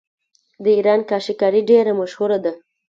د ایران کاشي کاري ډیره مشهوره ده.